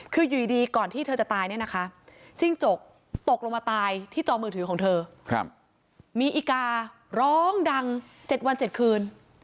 คืออยู่ดีก่อนที่เธอจะตายเนี่ยนะคะจิ้งจกตกลงมาตายที่จอมือถือของเธอมีอีการ้องดัง๗วัน๗คืน